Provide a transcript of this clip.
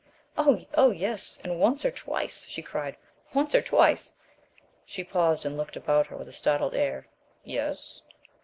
Oh oh yes, and once or twice," she cried "once or twice " She paused, and looked about her with a startled air. "Yes?"